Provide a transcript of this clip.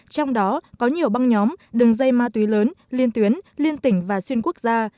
trong đó có nhiều băng nhóm đường dây ma túy lớn liên tuyến liên tỉnh và xuyên quốc gia